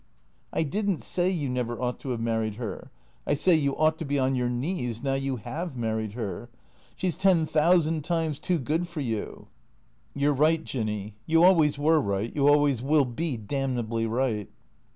" I did n't say you never ought to have married her. I say you ought to be on your knees now you have married her. She 's ten thousand times too good for you." " You 're right, Jinny. You always were right, you always will be damnably right."